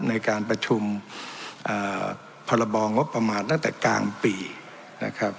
ในการประชุมพรบงบประมาณตั้งแต่กลางปีนะครับ